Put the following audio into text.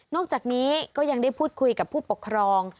อกจากนี้ก็ยังได้พูดคุยกับผู้ปกครอง